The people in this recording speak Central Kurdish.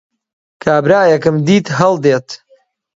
کابرایەکم دیت هەڵدێت